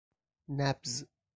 نبض